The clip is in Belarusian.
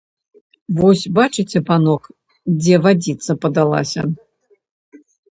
Вось бачыце, панок, дзе вадзіца падалася.